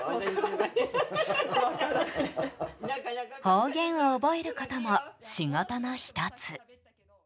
方言を覚えることも仕事の１つ。